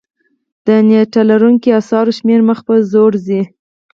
د نېټه لرونکو اثارو شمېر مخ په ځوړ ځي.